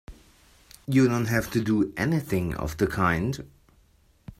You don't have to do anything of the kind!